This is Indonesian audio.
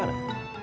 masalahnya di mana